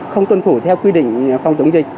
không tuân phủ theo quy định phòng tổng dịch